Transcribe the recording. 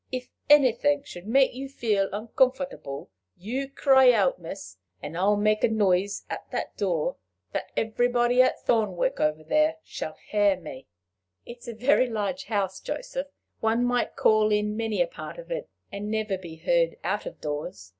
If anything should make you feel uncomfortable, you cry out, miss, and I'll make a noise at the door that everybody at Thornwick over there shall hear me." "It is a large house, Joseph: one might call in many a part of it, and never be heard out of doors.